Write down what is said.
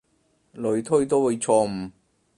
類推都會錯誤